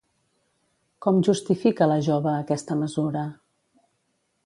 Com justifica la jove aquesta mesura?